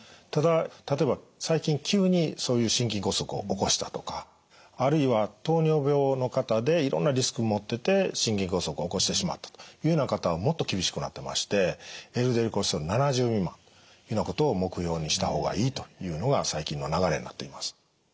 ただ例えば最近急にそういう心筋梗塞を起こしたとかあるいは糖尿病の方でいろんなリスク持ってて心筋梗塞を起こしてしまったというような方はもっと厳しくなってましてＬＤＬコレステロール７０未満というようなことを目標にした方がいいというのが最近の流れになっています。